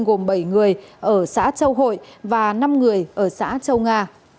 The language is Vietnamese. gồm bảy người ở xã châu hội và năm người ở xã châu nga